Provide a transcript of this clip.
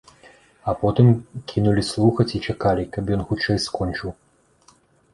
А потым кінулі слухаць і чакалі, каб ён хутчэй скончыў.